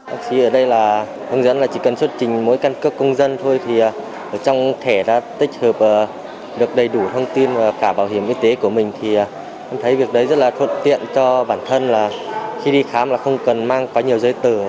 bác sĩ ở đây là hướng dẫn là chỉ cần xuất trình mỗi căn cước công dân thôi thì trong thẻ đã tích hợp được đầy đủ thông tin và cả bảo hiểm y tế của mình thì cũng thấy việc đấy rất là thuận tiện cho bản thân là khi đi khám là không cần mang quá nhiều giấy tờ